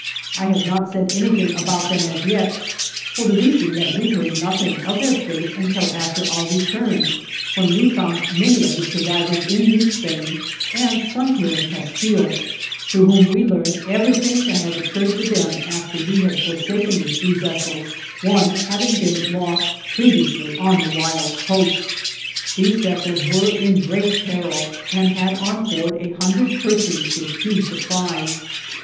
I have not said anything about them as yet, for the rea son that we heard nothing of their fate until after our return, when we found many of the survivors in New Spain and some here in Castile, through whom we learned every thing that occurred to them after we had forsaken the three vessels, one having been lost previously on the wild coast. 189 THE JOURNEY OF These vessels were in great peril, and had on board a hundred persons with few sup plies.